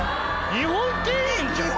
日本庭園じゃん！